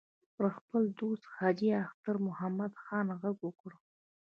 پر خپل دوست حاجي اختر محمد خان غږ وکړ.